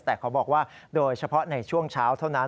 แต่เขาบอกว่าโดยเฉพาะในช่วงเช้าเท่านั้น